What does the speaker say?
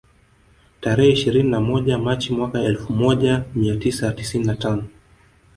Tarehe ishirini na moja Machi mwaka elfu moja mia tisa tisini na tano